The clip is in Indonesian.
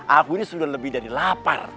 aku ini sudah lebih dari lapar